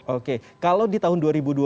oke kalau di tahun dua ribu dua puluh